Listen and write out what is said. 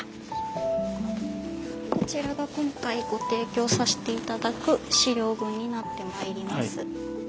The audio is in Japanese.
こちらが今回ご提供さして頂く資料群になってまいります。